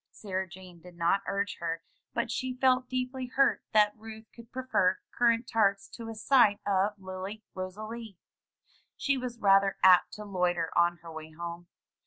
Sarah Jane did not urge her, but she felt deeply hurt that Ruth could prefer currant tarts to a sight of Lily Rosalie. She was rather apt to loiter on her way home.